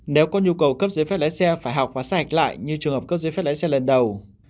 nếu có nhu cầu cấp dưới phép lái xe phải học và xác hạch lại như trường hợp cấp dưới phép lái xe lần đầu